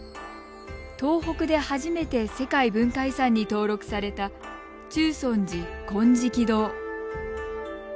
東北で初めて世界文化遺産に登録された中尊寺金色堂。